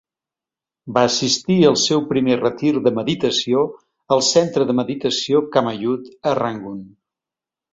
Va assistir al seu primer retir de meditació al centre de meditació Kamayut a Rangun.